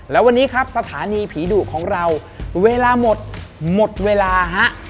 แล้ววันนี้ครับสถานีผีดุของเราเวลาหมดหมดเวลาฮะ